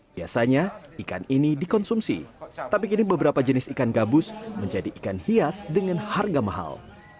biasanya ikan ini dikonsumsi tapi kini beberapa jenis ikan gabus menjadi ikan hias dengan harga mahal